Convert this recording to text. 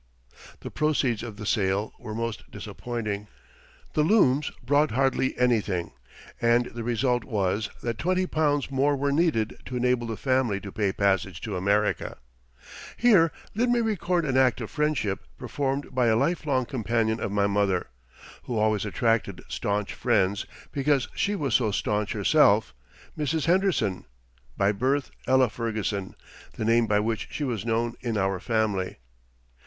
The proceeds of the sale were most disappointing. The looms brought hardly anything, and the result was that twenty pounds more were needed to enable the family to pay passage to America. Here let me record an act of friendship performed by a lifelong companion of my mother who always attracted stanch friends because she was so stanch herself Mrs. Henderson, by birth Ella Ferguson, the name by which she was known in our family.